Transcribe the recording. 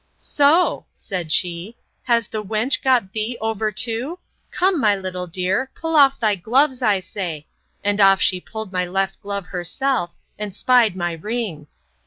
—So! said she, has the wench got thee over too? Come, my little dear, pull off thy gloves, I say; and off she pulled my left glove herself, and spied my ring.